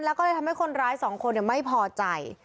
แล้วก็เลยทำให้คนร้ายสองคนไม่พอใจ